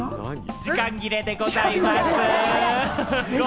時間切れでございます